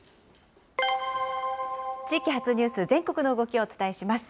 地域発ニュース、全国の動きをお伝えします。